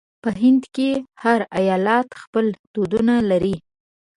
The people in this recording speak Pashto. په هند کې هر ایالت خپل دودونه لري.